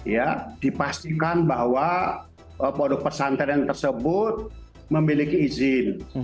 ya dipastikan bahwa produk pesantren tersebut memiliki izin